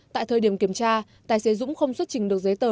tại thời điểm kiểm tra tài xế dũng không xuất trình được giấy tờ